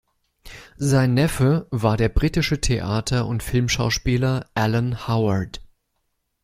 Sein Neffe war der britische Theater- und Filmschauspieler Alan Howard.